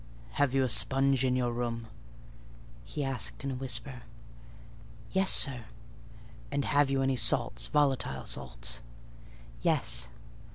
"Have you a sponge in your room?" he asked in a whisper. "Yes, sir." "Have you any salts—volatile salts?" "Yes."